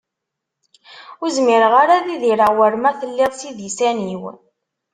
Ur zmireɣ ara ad idireɣ war ma telliḍ s idisan-iw.